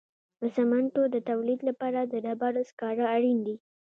د سمنټو د تولید لپاره د ډبرو سکاره اړین دي.